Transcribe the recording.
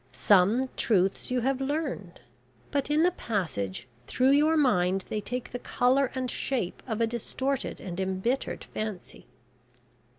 Some truths you have learned, but in the passage through your mind they take the colour and shape of a distorted and embittered fancy.